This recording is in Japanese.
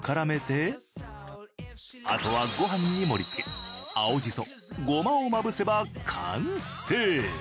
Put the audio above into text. あとはご飯に盛り付け青じそごまをまぶせば完成！